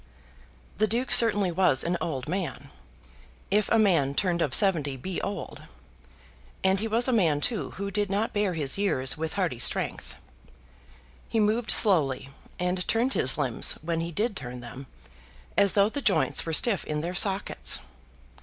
The Duke certainly was an old man, if a man turned of seventy be old; and he was a man too who did not bear his years with hearty strength. He moved slowly, and turned his limbs, when he did turn them, as though the joints were stiff in their sockets.